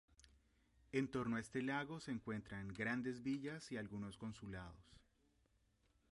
En torno a este lago se encuentran grandes villas y algunos consulados.